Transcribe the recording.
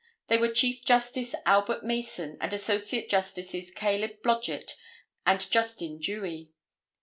They were Chief Justice Albert Mason and Associate Justices Caleb Blodgett and Justin Dewey.